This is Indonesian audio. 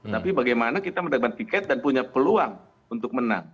tapi bagaimana kita mendapatkan tiket dan punya peluang untuk menang